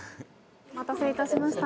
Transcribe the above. お待たせ致しました。